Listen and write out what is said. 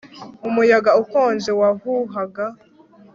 Umuyaga ukonje wahuhaga